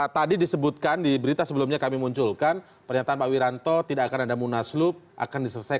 tadi disebutkan di berita sebelumnya kami munculkan pernyataan pak wiranto tidak akan ada munaslup akan diselesaikan